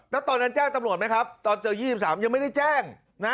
แล้วตอนนั้นแจ้งตำรวจไหมครับตอนเจอ๒๓ยังไม่ได้แจ้งนะ